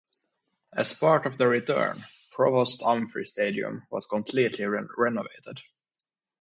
As part of the return, Provost Umphrey Stadium was completely renovated.